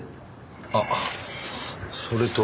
あっそれと。